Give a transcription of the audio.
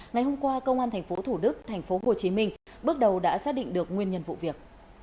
ngày hôm qua công an tp thủ đức tp hcm bước đầu đã xác định được nguyên nhân vụ việc